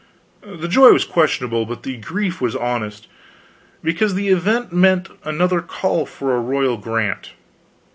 The joy was questionable, but the grief was honest. Because the event meant another call for a Royal Grant.